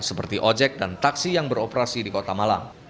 seperti ojek dan taksi yang beroperasi di kota malang